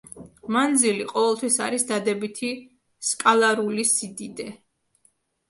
მანძილი ყოველთვის არის დადებითი სკალარული სიდიდე.